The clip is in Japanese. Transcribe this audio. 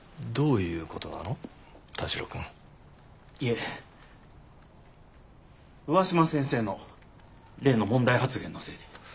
いえ上嶋先生の例の問題発言のせいで。